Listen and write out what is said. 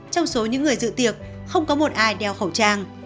trong số những người dự tiệc không có một ai đeo khẩu trang